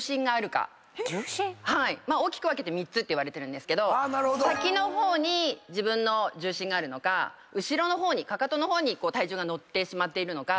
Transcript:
大きく分けて３つっていわれてる先の方に自分の重心があるのか後ろの方にかかとの方に体重が乗ってしまっているのか